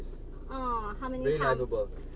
ผมชอบบางก็อก